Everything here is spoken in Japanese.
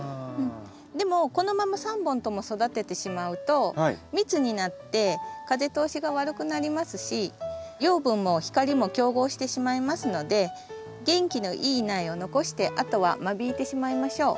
でもこのまま３本とも育ててしまうと密になって風通しが悪くなりますし養分も光も競合してしまいますので元気のいい苗を残してあとは間引いてしまいましょう。